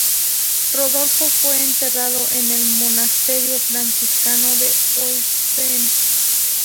Rodolfo fue enterrado en el monasterio franciscano de Wittenberg.